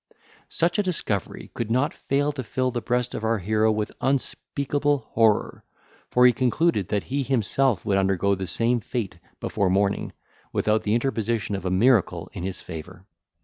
Such a discovery could not fail to fill the breast of our hero with unspeakable horror; for he concluded that he himself would undergo the same fate before morning, without the interposition of a miracle in his favour.